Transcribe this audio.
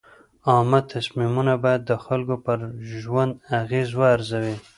عامه تصمیمونه باید د خلکو پر ژوند اغېز وارزوي.